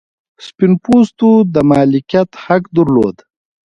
سپین پوستو د مالکیت حق درلود.